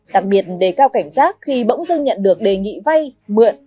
đặc biệt đề cao cảnh giác khi bỗng dưng nhận được đề nghị vay mượn